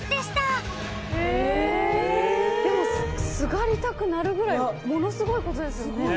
でもすがりたくなるぐらいものスゴイことですよね